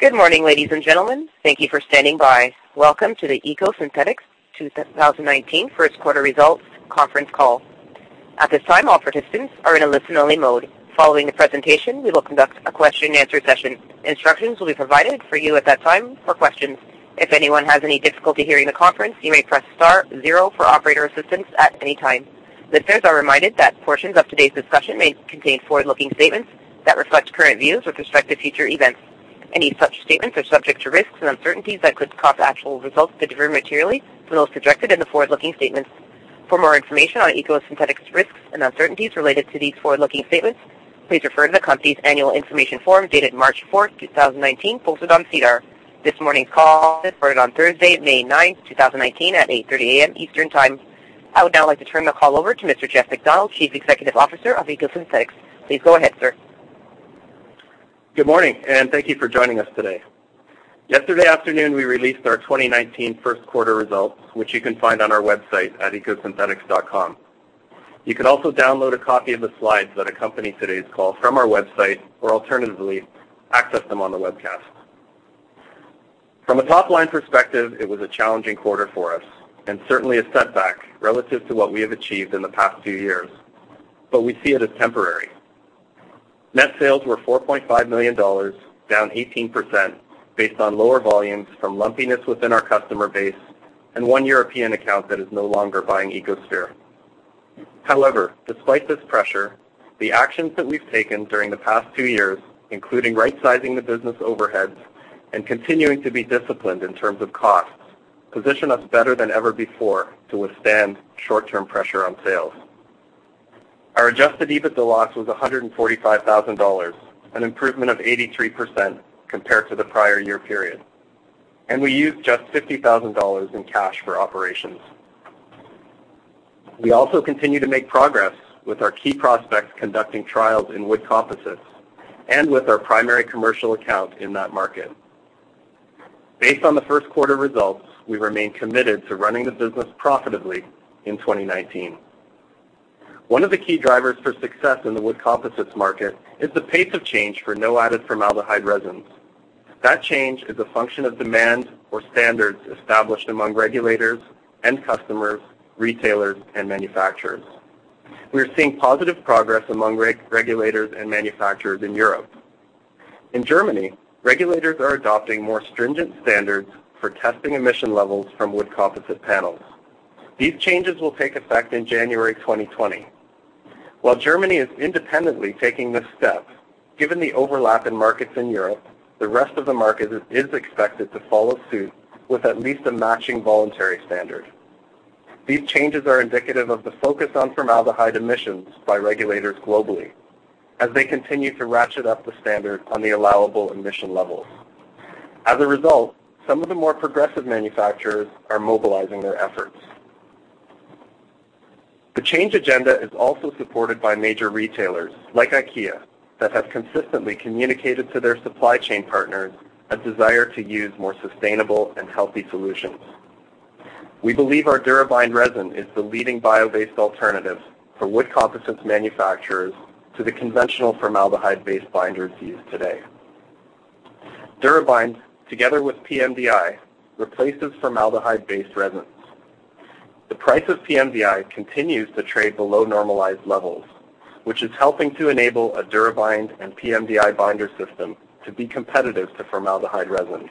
Good morning, ladies and gentlemen. Thank you for standing by. Welcome to the EcoSynthetix 2019 first quarter results conference call. At this time, all participants are in a listen-only mode. Following the presentation, we will conduct a question and answer session. Instructions will be provided for you at that time for questions. If anyone has any difficulty hearing the conference, you may press star zero for operator assistance at any time. Listeners are reminded that portions of today's discussion may contain forward-looking statements that reflect current views with respect to future events. Any such statements are subject to risks and uncertainties that could cause actual results to differ materially from those projected in the forward-looking statements. For more information on EcoSynthetix risks and uncertainties related to these forward-looking statements, please refer to the company's annual information form dated March 4th, 2019, posted on SEDAR. This morning's call is recorded on Thursday, May 9th, 2019, at 8:30 A.M. Eastern time. I would now like to turn the call over to Mr. Jeff MacDonald, Chief Executive Officer of EcoSynthetix. Please go ahead, sir. Good morning, and thank you for joining us today. Yesterday afternoon, we released our 2019 first quarter results, which you can find on our website at ecosynthetix.com. You can also download a copy of the slides that accompany today's call from our website, or alternatively, access them on the webcast. From a top-line perspective, it was a challenging quarter for us and certainly a setback relative to what we have achieved in the past two years, but we see it as temporary. Net sales were 4.5 million dollars, down 18%, based on lower volumes from lumpiness within our customer base and one European account that is no longer buying EcoSphere. Despite this pressure, the actions that we've taken during the past two years, including right-sizing the business overheads and continuing to be disciplined in terms of costs, position us better than ever before to withstand short-term pressure on sales. Our adjusted EBITDA loss was 145,000 dollars, an improvement of 83% compared to the prior year period, and we used just 50,000 dollars in cash for operations. We also continue to make progress with our key prospects conducting trials in wood composites and with our primary commercial account in that market. Based on the first quarter results, we remain committed to running the business profitably in 2019. One of the key drivers for success in the wood composites market is the pace of change for no added formaldehyde resins. That change is a function of demand or standards established among regulators, end customers, retailers, and manufacturers. We are seeing positive progress among regulators and manufacturers in Europe. In Germany, regulators are adopting more stringent standards for testing emission levels from wood composite panels. These changes will take effect in January 2020. While Germany is independently taking this step, given the overlap in markets in Europe, the rest of the market is expected to follow suit with at least a matching voluntary standard. These changes are indicative of the focus on formaldehyde emissions by regulators globally as they continue to ratchet up the standard on the allowable emission levels. As a result, some of the more progressive manufacturers are mobilizing their efforts. The change agenda is also supported by major retailers like IKEA that have consistently communicated to their supply chain partners a desire to use more sustainable and healthy solutions. We believe our DuraBind resin is the leading bio-based alternative for wood composites manufacturers to the conventional formaldehyde-based binders used today. DuraBind, together with pMDI, replaces formaldehyde-based resins. The price of pMDI continues to trade below normalized levels, which is helping to enable a DuraBind and pMDI binder system to be competitive to formaldehyde resins,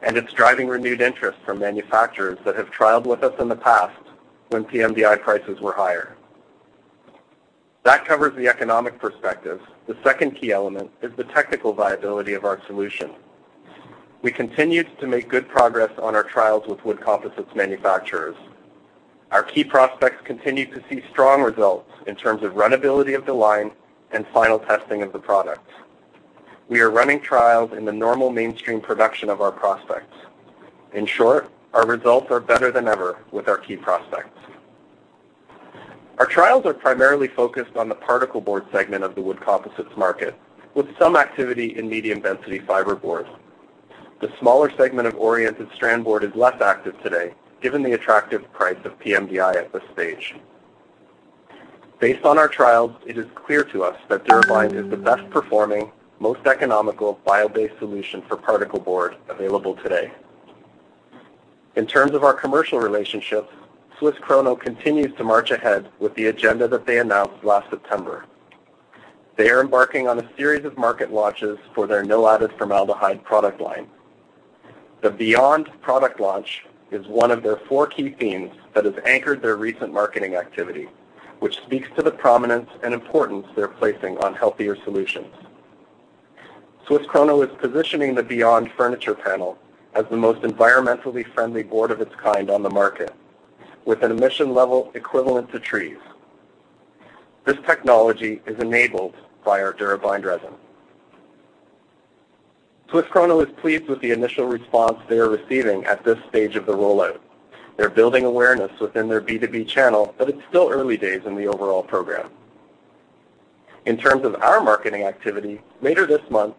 and it's driving renewed interest from manufacturers that have trialed with us in the past when pMDI prices were higher. That covers the economic perspective. The second key element is the technical viability of our solution. We continue to make good progress on our trials with wood composites manufacturers. Our key prospects continue to see strong results in terms of runnability of the line and final testing of the product. We are running trials in the normal mainstream production of our prospects. In short, our results are better than ever with our key prospects. Our trials are primarily focused on the particleboard segment of the wood composites market, with some activity in medium-density fiberboard. The smaller segment of oriented strand board is less active today, given the attractive price of pMDI at this stage. Based on our trials, it is clear to us that DuraBind is the best performing, most economical bio-based solution for particleboard available today. In terms of our commercial relationships, SWISS KRONO continues to march ahead with the agenda that they announced last September. They are embarking on a series of market launches for their no added formaldehyde product line. The BE.YOND product launch is one of their four key themes that has anchored their recent marketing activity, which speaks to the prominence and importance they're placing on healthier solutions. SWISS KRONO is positioning the BE.YOND furniture panel as the most environmentally friendly board of its kind on the market, with an emission level equivalent to trees. This technology is enabled by our DuraBind resin. SWISS KRONO is pleased with the initial response they are receiving at this stage of the rollout. They're building awareness within their B2B channel, but it's still early days in the overall program. In terms of our marketing activity, later this month,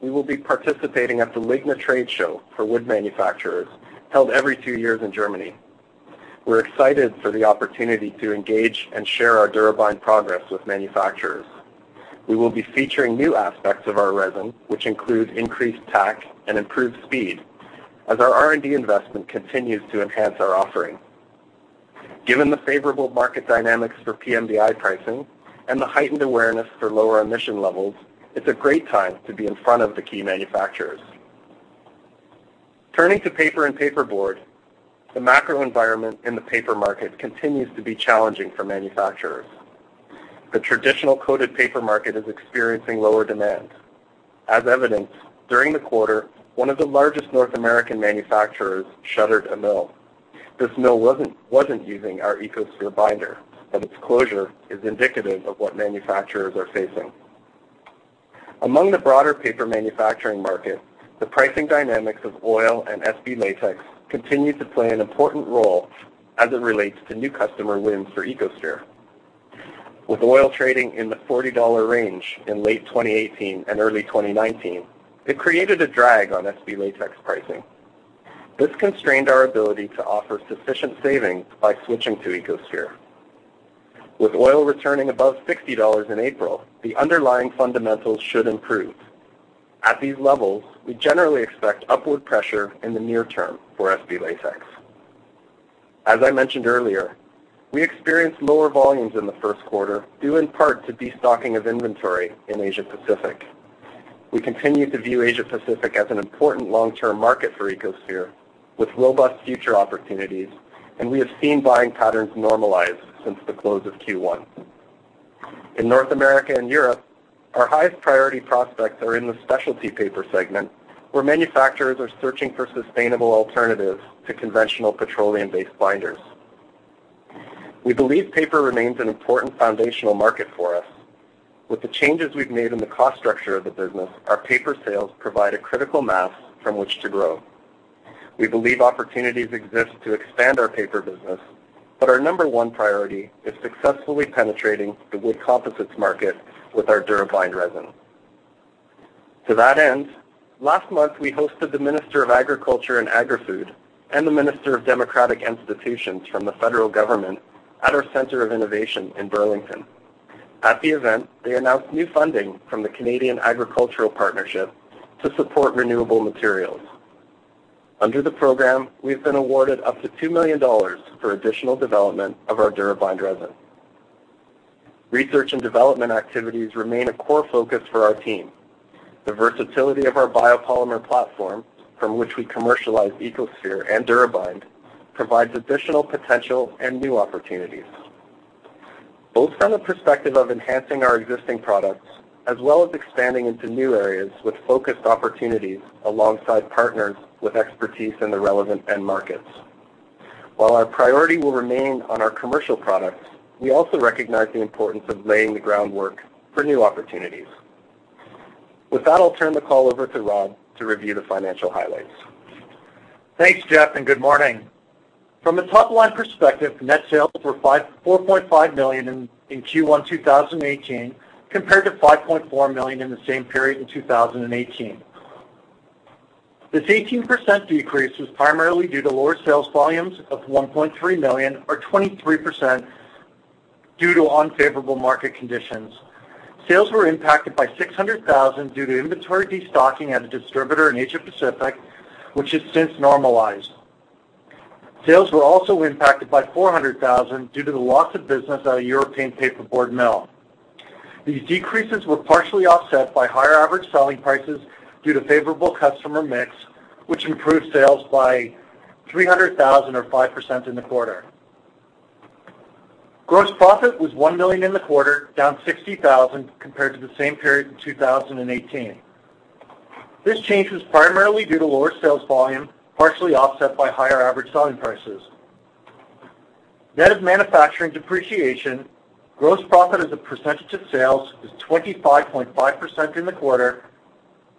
we will be participating at the LIGNA trade show for wood manufacturers held every two years in Germany. We're excited for the opportunity to engage and share our DuraBind progress with manufacturers. We will be featuring new aspects of our resin, which include increased tack and improved speed, as our R&D investment continues to enhance our offering. Given the favorable market dynamics for pMDI pricing and the heightened awareness for lower emission levels, it's a great time to be in front of the key manufacturers. Turning to paper and paperboard, the macro environment in the paper market continues to be challenging for manufacturers. The traditional coated paper market is experiencing lower demand. As evidenced, during the quarter, one of the largest North American manufacturers shuttered a mill. This mill wasn't using our EcoSphere binder, but its closure is indicative of what manufacturers are facing. Among the broader paper manufacturing market, the pricing dynamics of oil and SB latex continue to play an important role as it relates to new customer wins for EcoSphere. With oil trading in the 40 dollar range in late 2018 and early 2019, it created a drag on SB latex pricing. This constrained our ability to offer sufficient savings by switching to EcoSphere. With oil returning above 60 dollars in April, the underlying fundamentals should improve. At these levels, we generally expect upward pressure in the near term for SB latex. As I mentioned earlier, we experienced lower volumes in the first quarter, due in part to destocking of inventory in Asia Pacific. We continue to view Asia Pacific as an important long-term market for EcoSphere, with robust future opportunities, and we have seen buying patterns normalize since the close of Q1. In North America and Europe, our highest priority prospects are in the specialty paper segment, where manufacturers are searching for sustainable alternatives to conventional petroleum-based binders. We believe paper remains an important foundational market for us. With the changes we've made in the cost structure of the business, our paper sales provide a critical mass from which to grow. We believe opportunities exist to expand our paper business, but our number one priority is successfully penetrating the wood composites market with our DuraBind resin. To that end, last month, we hosted the Minister of Agriculture and Agri-Food and the Minister of Democratic Institutions from the federal government at our Centre of Innovation in Burlington. At the event, they announced new funding from the Canadian Agricultural Partnership to support renewable materials. Under the program, we've been awarded up to 2 million dollars for additional development of our DuraBind resin. Research and development activities remain a core focus for our team. The versatility of our biopolymer platform, from which we commercialize EcoSphere and DuraBind, provides additional potential and new opportunities, both from the perspective of enhancing our existing products, as well as expanding into new areas with focused opportunities alongside partners with expertise in the relevant end markets. While our priority will remain on our commercial products, we also recognize the importance of laying the groundwork for new opportunities. With that, I'll turn the call over to Rob to review the financial highlights. Thanks, Jeff. Good morning. From a top-line perspective, net sales were 4.5 million in Q1 2019 compared to 5.4 million in the same period in 2018. This 18% decrease was primarily due to lower sales volumes of 1.3 million or 23% due to unfavorable market conditions. Sales were impacted by 600,000 due to inventory destocking at a distributor in Asia Pacific, which has since normalized. Sales were also impacted by 400,000 due to the loss of business at a European paperboard mill. These decreases were partially offset by higher average selling prices due to favorable customer mix, which improved sales by 300,000 or 5% in the quarter. Gross profit was 1 million in the quarter, down 60,000 compared to the same period in 2018. Net of manufacturing depreciation, gross profit as a percentage of sales was 25.5% in the quarter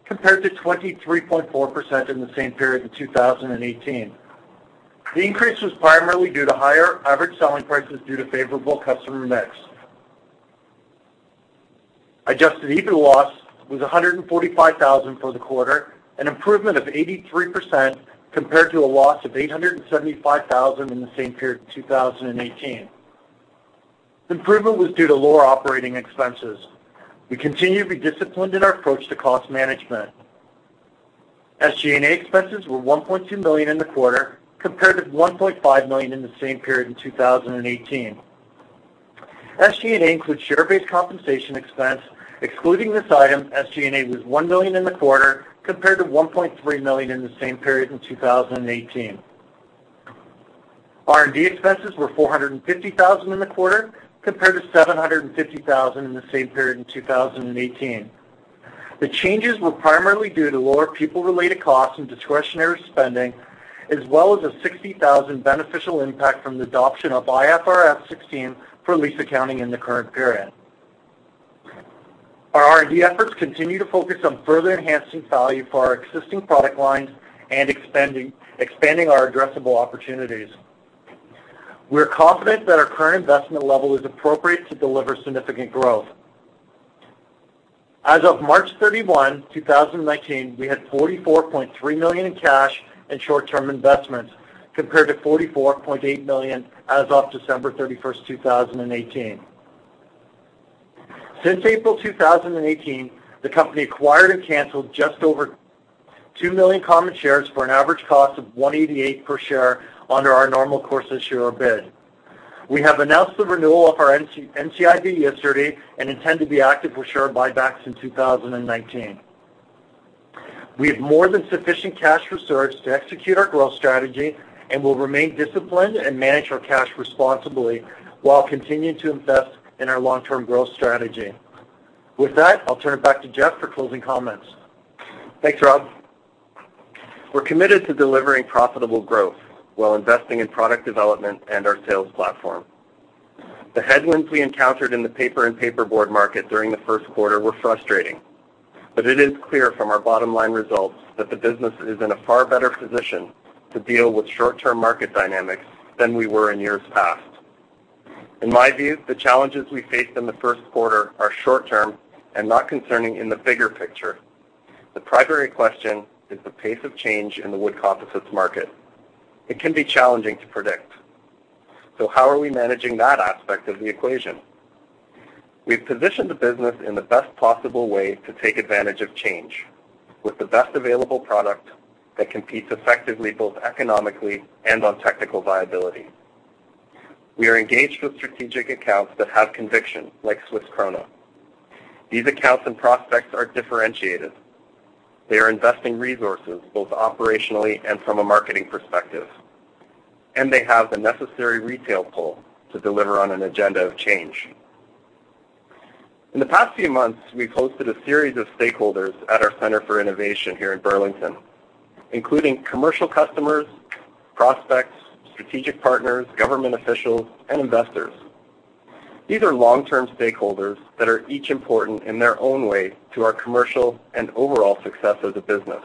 compared to 23.4% in the same period in 2018. The increase was primarily due to higher average selling prices due to favorable customer mix. adjusted EBITDA loss was 145,000 for the quarter, an improvement of 83% compared to a loss of 875,000 in the same period in 2018. We continue to be disciplined in our approach to cost management. SG&A expenses were 1.2 million in the quarter, compared to 1.5 million in the same period in 2018. SG&A includes share-based compensation expense. Excluding this item, SG&A was 1 million in the quarter, compared to 1.3 million in the same period in 2018. R&D expenses were 450,000 in the quarter, compared to 750,000 in the same period in 2018. The changes were primarily due to lower people-related costs and discretionary spending, as well as a 60,000 beneficial impact from the adoption of IFRS 16 for lease accounting in the current period. Our R&D efforts continue to focus on further enhancing value for our existing product lines and expanding our addressable opportunities. We are confident that our current investment level is appropriate to deliver significant growth. As of March 31, 2019, we had 44.3 million in cash and short-term investments, compared to 44.8 million as of December 31, 2018. Since April 2018, the company acquired and canceled just over 2 million common shares for an average cost of 1.88 per share under our normal course issuer bid. We have announced the renewal of our NCIB yesterday and intend to be active with share buybacks in 2019. We have more than sufficient cash reserves to execute our growth strategy and will remain disciplined and manage our cash responsibly while continuing to invest in our long-term growth strategy. With that, I'll turn it back to Jeff for closing comments. Thanks, Rob. We're committed to delivering profitable growth while investing in product development and our sales platform. The headwinds we encountered in the paper and paperboard market during the first quarter were frustrating, but it is clear from our bottom line results that the business is in a far better position to deal with short-term market dynamics than we were in years past. In my view, the challenges we faced in the first quarter are short term and not concerning in the bigger picture. The primary question is the pace of change in the wood composites market. It can be challenging to predict. How are we managing that aspect of the equation? We've positioned the business in the best possible way to take advantage of change with the best available product that competes effectively, both economically and on technical viability. We are engaged with strategic accounts that have conviction, like SWISS KRONO. These accounts and prospects are differentiated. They are investing resources both operationally and from a marketing perspective, and they have the necessary retail pull to deliver on an agenda of change. In the past few months, we've hosted a series of stakeholders at our Centre of Innovation here in Burlington, including commercial customers, prospects, strategic partners, government officials, and investors. These are long-term stakeholders that are each important in their own way to our commercial and overall success as a business.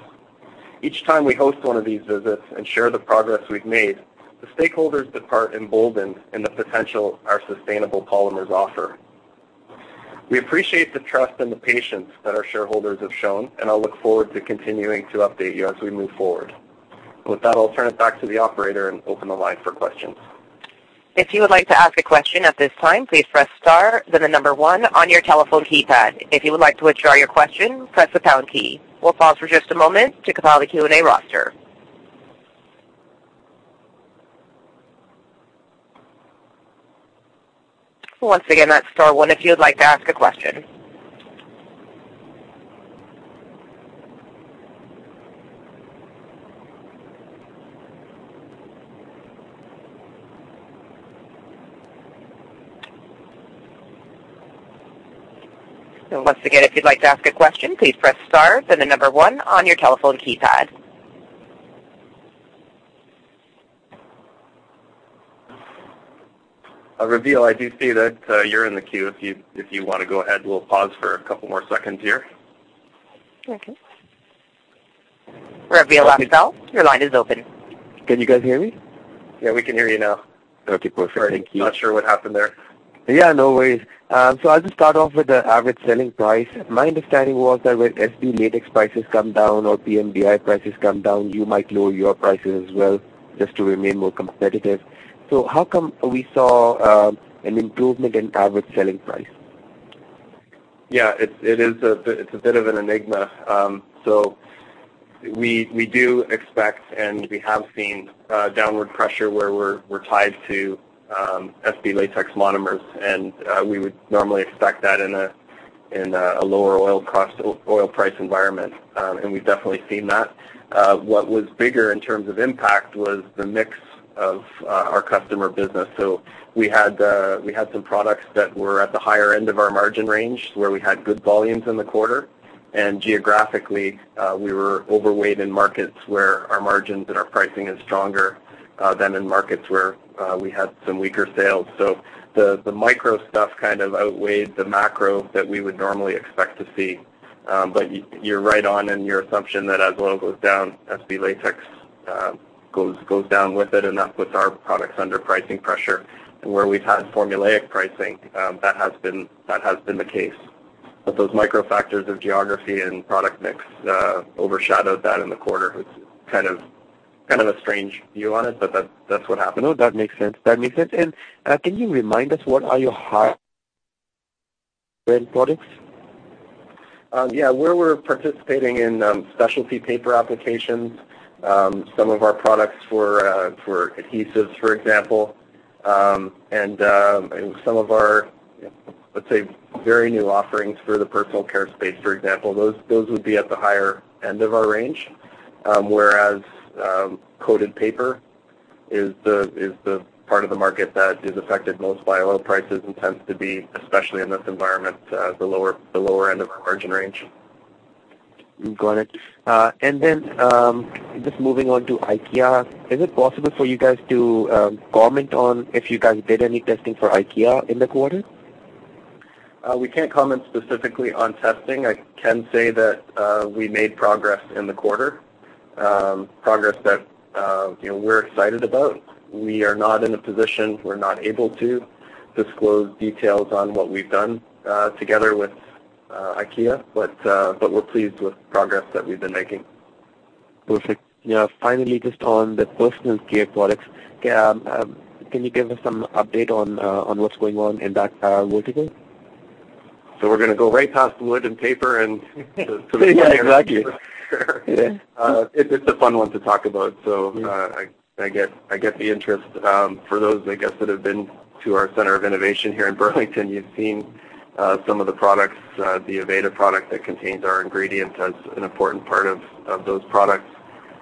Each time we host one of these visits and share the progress we've made, the stakeholders depart emboldened in the potential our sustainable polymers offer. We appreciate the trust and the patience that our shareholders have shown, and I look forward to continuing to update you as we move forward. With that, I'll turn it back to the operator and open the line for questions. If you would like to ask a question at this time, please press star, then the number 1 on your telephone keypad. If you would like to withdraw your question, press the pound key. We'll pause for just a moment to compile the Q&A roster. Once again, that's star 1 if you would like to ask a question. Once again, if you'd like to ask a question, please press star, then the number 1 on your telephone keypad. Ravil, I do see that you're in the queue. If you want to go ahead, we'll pause for a couple more seconds here. Okay. Ravil Apfel, your line is open. Can you guys hear me? Yeah, we can hear you now. Okay, perfect. Thank you. Sorry, not sure what happened there. Yeah, no worries. I'll just start off with the average selling price. My understanding was that when SB latex prices come down or pMDI prices come down, you might lower your prices as well just to remain more competitive. How come we saw an improvement in average selling price? Yeah, it's a bit of an enigma. We do expect, and we have seen downward pressure where we're tied to SB latex monomers, and we would normally expect that in a lower oil price environment. We've definitely seen that. What was bigger in terms of impact was the mix of our customer business. We had some products that were at the higher end of our margin range, where we had good volumes in the quarter, and geographically, we were overweight in markets where our margins and our pricing is stronger than in markets where we had some weaker sales. The micro stuff kind of outweighed the macro that we would normally expect to see. You're right on in your assumption that as oil goes down, SB latex goes down with it, and that puts our products under pricing pressure. Where we've had formulaic pricing, that has been the case. Those micro factors of geography and product mix overshadowed that in the quarter, which is kind of a strange view on it, but that's what happened. No, that makes sense. Can you remind us what are your products? Yeah. Where we're participating in specialty paper applications, some of our products for adhesives, for example, and some of our, let's say, very new offerings for the personal care space, for example, those would be at the higher end of our range. Whereas coated paper is the part of the market that is affected most by oil prices and tends to be, especially in this environment, the lower end of our margin range. Got it. Then, just moving on to IKEA. Is it possible for you guys to comment on if you guys did any testing for IKEA in the quarter? We can't comment specifically on testing. I can say that we made progress in the quarter. Progress that we're excited about. We are not in a position, we're not able to disclose details on what we've done together with IKEA, but we're pleased with the progress that we've been making. Perfect. Finally, just on the personal care products, can you give us some update on what's going on in that vertical? We're going to go right past wood and paper. Yeah, exactly. It's a fun one to talk about, so I get the interest. For those, I guess, that have been to our Centre of Innovation here in Burlington, you've seen some of the products, the Aveda product that contains our ingredient as an important part of those products.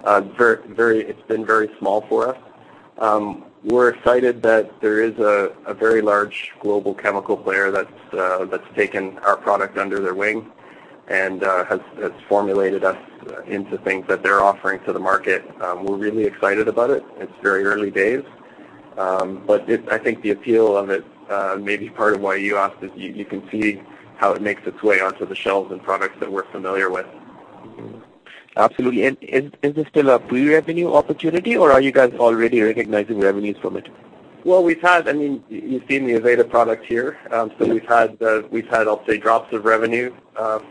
It's been very small for us. We're excited that there is a very large global chemical player that's taken our product under their wing and has formulated us into things that they're offering to the market. We're really excited about it. It's very early days. I think the appeal of it may be part of why you asked is you can see how it makes its way onto the shelves in products that we're familiar with. Absolutely. Is this still a pre-revenue opportunity, or are you guys already recognizing revenues from it? Well, you've seen the Aveda product here. We've had, I'll say, drops of revenue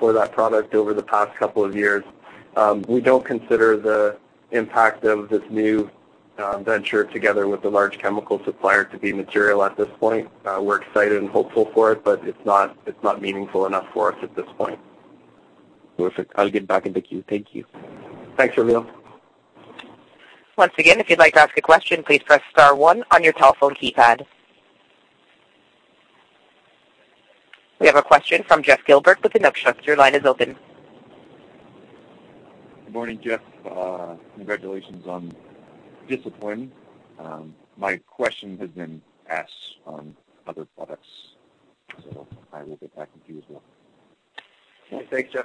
for that product over the past couple of years. We don't consider the impact of this new venture together with the large chemical supplier to be material at this point. We're excited and hopeful for it, but it's not meaningful enough for us at this point. Perfect. I'll get back in the queue. Thank you. Thanks, Ravil. Once again, if you'd like to ask a question, please press star one on your telephone keypad. We have a question from Geoff Gilbert with Inukshuk. Your line is open. Good morning, Jeff. Congratulations on the discipline. My question has been asked on other products, so I will get back in queue as well. Okay, thanks, Yuri.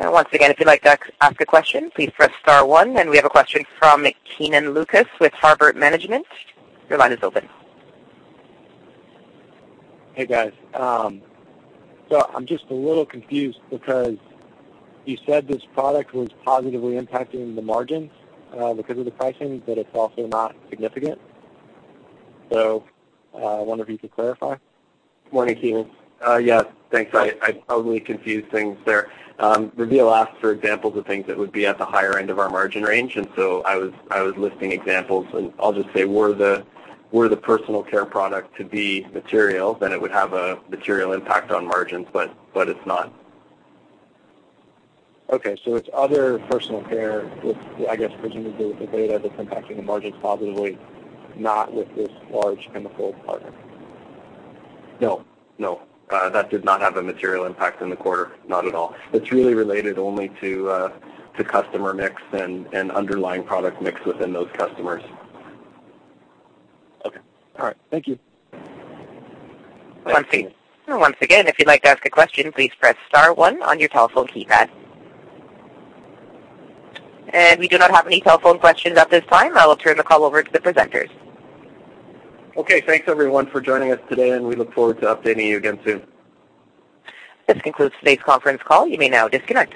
Once again, if you'd like to ask a question, please press star one. We have a question from Kenan Lucas with Harbert Management. Your line is open. Hey, guys. I'm just a little confused because you said this product was positively impacting the margins because of the pricing, but it's also not significant. I wonder if you could clarify. Morning, Kenan. Yes. Thanks. I probably confused things there. Ravil asked for examples of things that would be at the higher end of our margin range, and so I was listing examples, and I'll just say were the personal care product to be material, then it would have a material impact on margins, but it's not. Okay. It's other personal care with, I guess, presumably with Aveda that's impacting the margins positively, not with this large chemical partner. No, no. That did not have a material impact in the quarter. Not at all. It's really related only to customer mix and underlying product mix within those customers. Okay. All right. Thank you. Thanks, Kenan. Once again, if you'd like to ask a question, please press star one on your telephone keypad. We do not have any telephone questions at this time. I will turn the call over to the presenters. Okay. Thanks, everyone, for joining us today, and we look forward to updating you again soon. This concludes today's conference call. You may now disconnect.